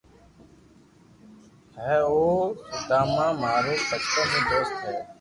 ھي او سوداما مارو بچپن رو دوست ھي